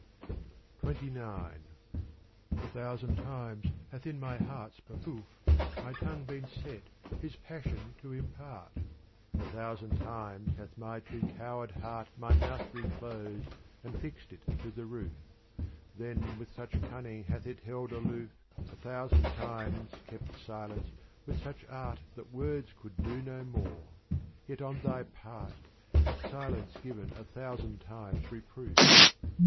XXIX A THOUSAND times hath in my heart's behoof My tongue been set his passion to impart : A thousand times hath my too coward heart My mouth reclosed and fixed it to the roof : Then with such cunning hath it held aloof, A thousand times kept silence with such art That words could do no more : yet on thy part Hath silence given a thousand times reproof.